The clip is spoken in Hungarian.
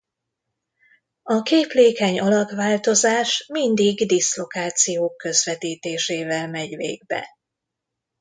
A képlékeny alakváltozás mindig diszlokációk közvetítésével megy végbe.